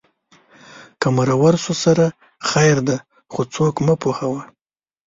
که مرور شو سره خیر دی خو څوک مه پوهوه